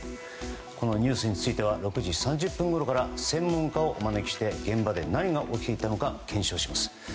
このニュースについては６時３０分ごろから専門家をお招きして現場で何が起きていたか検証します。